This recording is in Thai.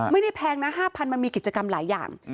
ไม่ได้แพงนะ๕๐๐๐บาทมันมีกิจกรรมหลายอย่าง